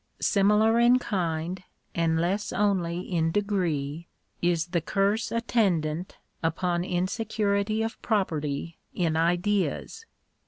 Similar in kind, and less only in degree, is the curse attendant upon insecurity of property in ideas.